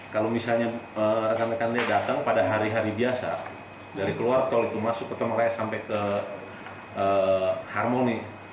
kalau misalnya rekan rekan dia datang pada hari hari biasa dari keluar tol itu masuk ke tomang raya sampai ke harmony